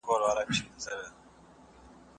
زده کړه د اجتماعي بدلونونو لپاره اړینه ده.